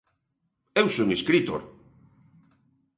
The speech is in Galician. Eu son escritor!